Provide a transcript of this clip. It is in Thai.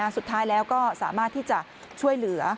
สุดท้ายแล้วก็สามารถที่จะช่วยเหลือ